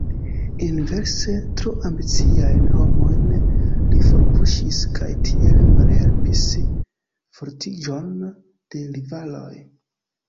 Inverse, tro ambiciajn homojn li forpuŝis kaj tiel malhelpis fortiĝon de rivaloj.